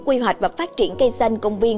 quy hoạch và phát triển cây xanh công viên